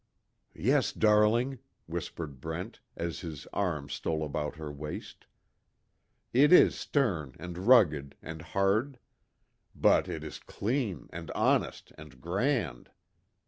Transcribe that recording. "Yes, darling," whispered Brent, as his arm stole about her waist, "It is stern, and rugged, and hard. But it is clean, and honest, and grand.